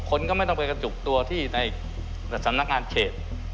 คนก็ไม่ต้องไปกระจุกตัวที่ในสำนักงานเขต